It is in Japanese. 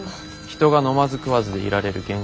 人が飲まず食わずでいられる限界。